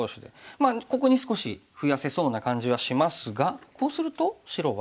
まあここに少し増やせそうな感じはしますがこうすると白は。